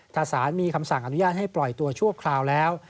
ถ้าสารมีคำสั่งอนุญาตให้ปล่อยตัวชั่วคราวแล้ว